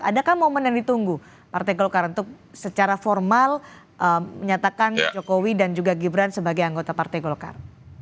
adakah momen yang ditunggu partai golkar untuk secara formal menyatakan jokowi dan juga gibran sebagai anggota partai golkar